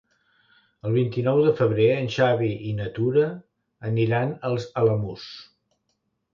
El vint-i-nou de febrer en Xavi i na Tura aniran als Alamús.